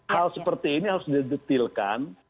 hal seperti ini harus didetilkan